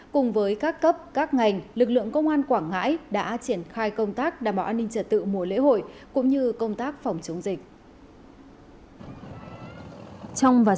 cùng với các cấp các ngành lực lượng công an quảng ngãi đã triển khai công tác đảm bảo an ninh trật tự mùa lễ hội cũng như công tác phòng chống dịch